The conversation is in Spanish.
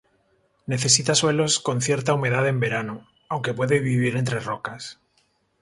Necesita suelos con cierta humedad en verano, aunque puede vivir entre rocas.